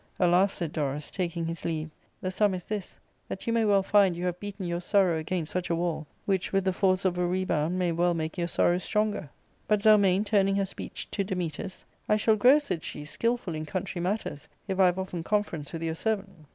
" Alas !" said Dorus, taking his leave, " the sum is this, that you may well find you have beaten your sorrow against such a wall, which with the force of a rebound may well make your sorrow stronger." But Zelmane turning her speech to Dametas, " I shall grow," said she, " skilful in country matters, if I have often con ference with your servant."